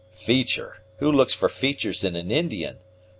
"Feature! Who looks for features in an Indian?